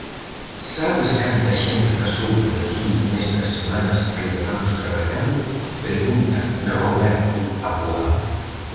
"Sabes canta xente pasou por aquí nestas semanas que levamos traballando?", pregunta Roberto Aboal.